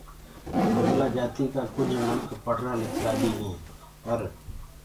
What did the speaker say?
گُرگَلا جآتي ڪآ ڪجھ مِنک پڙهرآ لکرا بي هيٚنٚ پر